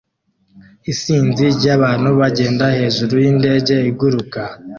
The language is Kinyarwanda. Isinzi ryabantu bagenda hejuru yindege iguruka